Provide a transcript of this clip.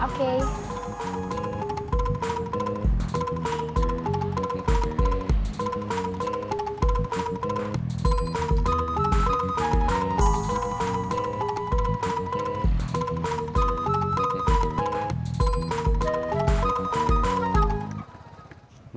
aku nunggu di sini aja